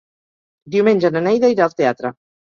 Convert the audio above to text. Diumenge na Neida irà al teatre.